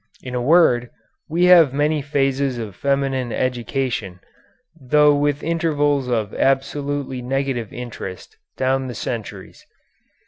In a word, we have many phases of feminine education, though with intervals of absolutely negative interest, down the centuries.